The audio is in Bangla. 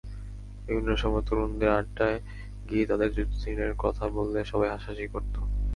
বিভিন্ন সময় তরুণদের আড্ডায় গিয়ে তাঁদের যুদ্ধদিনের কথা বললে সবাই হাসাহাসি করত।